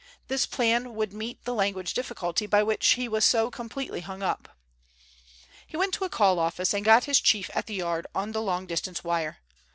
This plan would meet the language difficulty by which he was so completely hung up. He went to a call office and got his chief at the Yard on the long distance wire.